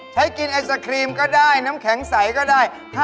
ใช้กินไอศครีมก็ได้น้ำแข็งใสก็ได้